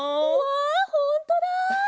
うわほんとだ！